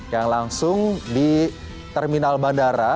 yang langsung di terminal bandara